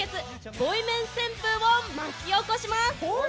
ボイメン旋風を巻き起こします。